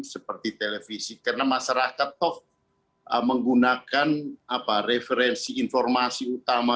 seperti televisi karena masyarakat toh menggunakan referensi informasi utama